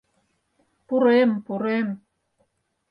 — Пурем, пурем!